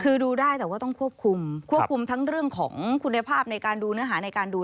คือดูได้แต่ว่าต้องควบคุมควบคุมทั้งเรื่องของคุณภาพในการดูเนื้อหาในการดู